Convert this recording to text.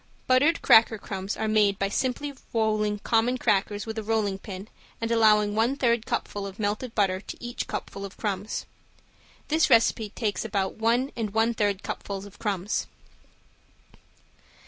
Buttered cracker crumbs are made by simply rolling common crackers with a rolling pin and allowing one third cupful of melted butter to each cupful of crumbs. This recipe takes about one and one third cupfuls of crumbs.